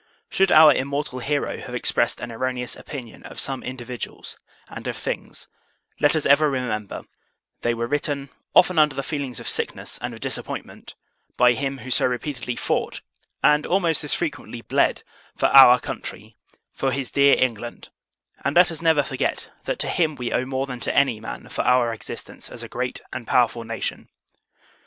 Should our IMMORTAL HERO have expressed an erroneous opinion of some individuals and of things, let us ever remember, they were written (often under the feelings of sickness and of disappointment) by him who so repeatedly fought, and almost as frequently bled, for our country for his "DEAR ENGLAND;" and let us never forget, that to him we owe more than to any man for our existence as a great and powerful Nation.